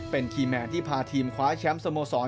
เป็นคีย์แมนที่พาทีมคว้าแชมป์สโมสร